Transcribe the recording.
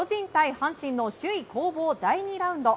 阪神の首位攻防第２ラウンド。